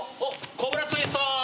コブラツイスト！